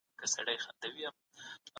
پانګه والو غوښتل چې د بازار اړتياوې پوره کړي.